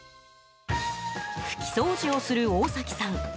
拭き掃除をする大崎さん。